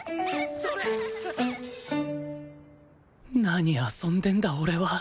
何遊んでんだ俺は。